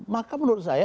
maka menurut saya